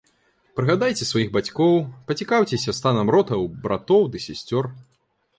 Прыгадайце сваіх бацькоў, пацікаўцеся станам рота ў братоў ды сясцёр.